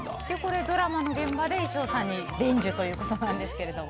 ドラマの現場で衣装さんに伝授ということなんですけど。